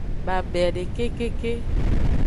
Babede kekeke.